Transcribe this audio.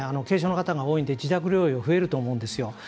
軽症の方が多いんで自宅療養、増えると思うんですよ。